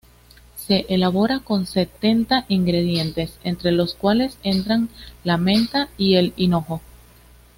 Se elabora con setenta ingredientes, entre los cuales entran la menta y el hinojo.